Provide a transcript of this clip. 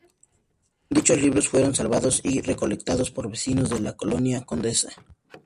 Dichos libros fueron salvados y recolectados por vecinos de la colonia Condesa.